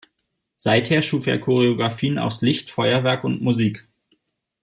Seither schuf er Choreographien aus Licht, Feuerwerk und Musik.